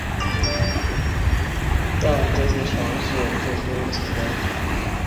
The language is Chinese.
但这些尝试最初都不成功。